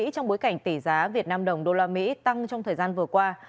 trong bối cảnh tỷ giá vnđ usd tăng trong thời gian vừa qua